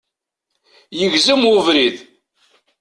Yegzem ubrid